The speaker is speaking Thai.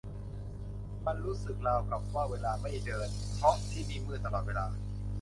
มันรู้สึกราวกับว่าเวลาไม่เดิน เพราะที่นี่มืดตลอดเวลา